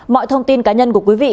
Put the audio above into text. mọi thông tin cá nhân của quý vị